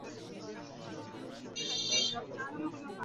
তিনি এই শ্রেণীবিন্যাস চালিয়ে যান এবং ভলিউম ভলিউম বই প্রকাশ করেন।